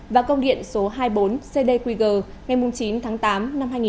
và công điện số hai mươi bốn cd quy g ngày chín tháng tám năm hai nghìn hai mươi hai